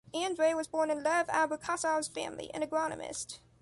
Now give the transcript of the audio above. Andreï was born in Lev Abrikossov’s family, an agronomist.